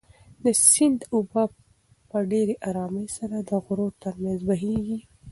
د سیند اوبه په ډېرې ارامۍ سره د غرو تر منځ بهېږي.